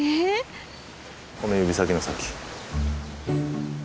この指先の先。